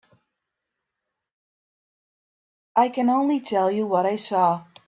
I can only tell you what I saw.